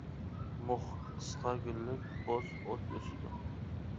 مۇخ، قىسقا گۈللۈك بوز ئوت ئۆسىدۇ.